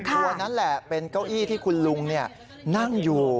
ตัวนั้นแหละเป็นเก้าอี้ที่คุณลุงนั่งอยู่